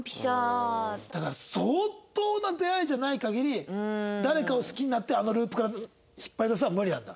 だから相当な出会いじゃない限り誰かを好きになってあのループから引っ張り出すのは無理なんだ？